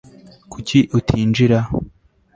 kuki utinjira